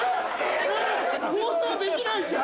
放送できないじゃん！